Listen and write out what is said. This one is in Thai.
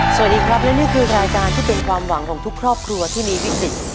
สวัสดีครับและนี่คือรายการที่เป็นความหวังของทุกครอบครัวที่มีวิกฤต